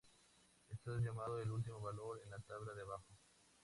Esto es llamado "el último valor" en la tabla de abajo.